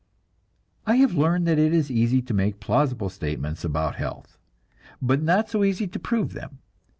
I have learned that it is easy to make plausible statements about health, but not so easy to prove them.